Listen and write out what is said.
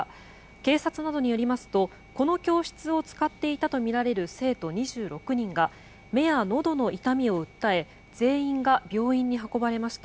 警察などによりますとこの教室を使っていたとみられる生徒２６人が目やのどの痛みを訴え全員が病院に運ばれました。